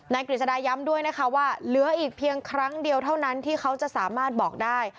กฤษดาย้ำด้วยนะคะว่าเหลืออีกเพียงครั้งเดียวเท่านั้นที่เขาจะสามารถบอกได้